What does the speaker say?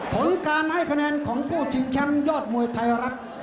ผลการให้คะแนนของคู่ชิงแชมป์ยอดมวยไทยรัฐ